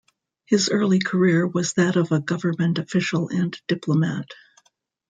His early career was that of a government official and diplomat.